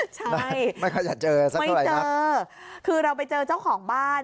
ใช่ไม่ค่อยจะเจอสักเท่าไหร่นักเออคือเราไปเจอเจ้าของบ้าน